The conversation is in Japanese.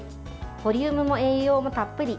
ボリュームも栄養もたっぷり。